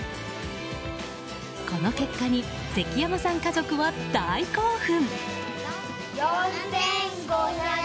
この結果に関山さん家族は大興奮。